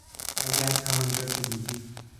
برگرد همانجا که بودی